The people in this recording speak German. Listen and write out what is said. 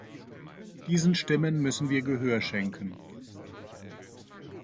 Diesen Stimmen müssen wir Gehör schenken.